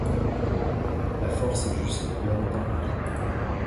La force est juste, l’homme est accompli.